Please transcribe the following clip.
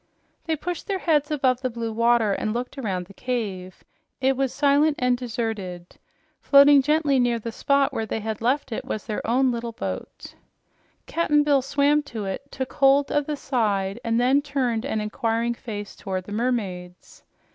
They pushed their heads above the blue water and looked around the cave. It was silent and deserted. Floating gently near the spot where they had left it was their own little boat. Cap'n Bill swam to it, took hold of the side, and then turned an inquiring face toward the mermaids.